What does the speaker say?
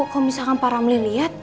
kalo misalkan pak ramli liat